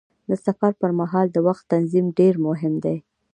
د سفر پر مهال د وخت تنظیم ډېر مهم دی.